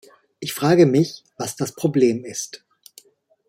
Ich frage mich, was das Problem ist?